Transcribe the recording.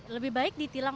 lebih baik ditilang